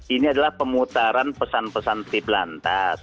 ini adalah pemutaran pesan pesan tip lantas